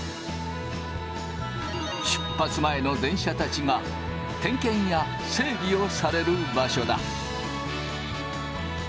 出発前の電車たちが点検や整備をされる場所だ。